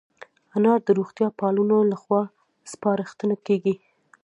انار د روغتیا پالانو له خوا سپارښتنه کېږي.